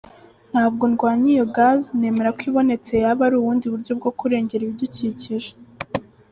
Ntabwo ndwanya iyo gaz, nemera ko ibonetse yaba ari ubundi buryo bwo kurengera ibidukikije.